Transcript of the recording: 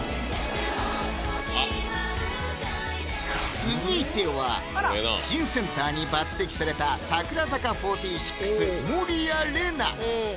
続いては新センターに抜てきされた「櫻坂４６」・守屋麗奈